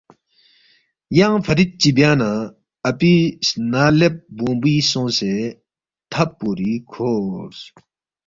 ینگ فرِت چی بیا نہ اپی سنا لیب بونگبُوی سونگسے تھب پوری کھورس